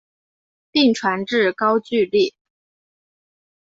并传至高句丽。